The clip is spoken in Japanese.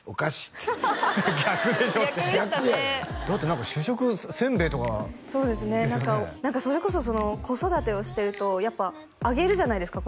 何か主食せんべいとかそうですね何か何かそれこそその子育てをしてるとやっぱあげるじゃないですか？